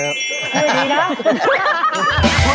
ไม่ดีนะ